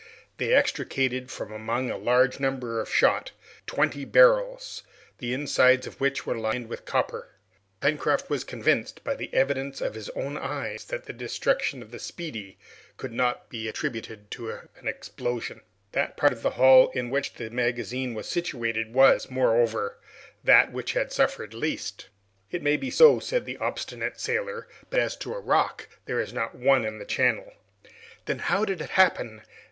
They extricated from among a large number of shot twenty barrels, the insides of which were lined with copper. Pencroft was convinced by the evidence of his own eyes that the destruction of the "Speedy" could not be attributed to an explosion. That part of the hull in which the magazine was situated was, moreover, that which had suffered least. "It may be so," said the obstinate sailor; "but as to a rock, there is not one in the channel!" "Then, how did it happen?"